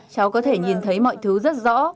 cháu có thể nhìn thấy mọi thứ rất rõ